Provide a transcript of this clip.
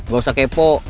gak usah kepo